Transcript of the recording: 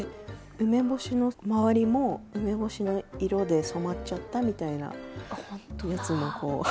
梅干しの周りも梅干しの色で染まっちゃったみたいなやつもこう。